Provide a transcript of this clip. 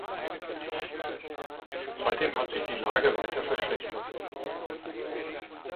Seitdem hat sich die Lage weiter verschlechtert.